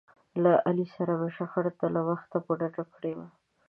له علي سره مې شخړې ته له وخته په ډډه کړي و.